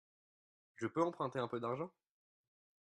Je peux emprunter un peu d'argent ?